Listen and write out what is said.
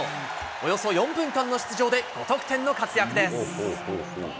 およそ４分間の出場で、５得点の活躍です。